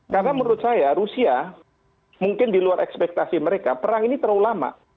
karena menurut saya rusia mungkin di luar ekspektasi mereka perang ini terlalu lama